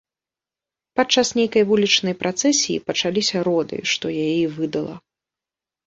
Падчас нейкай вулічнай працэсіі пачаліся роды, што яе і выдала.